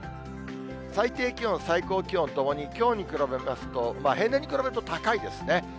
最低気温、最高気温ともにきょうに比べますと、平年に比べると高いですね。